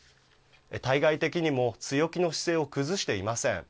対外的にも強気の姿勢を崩していません。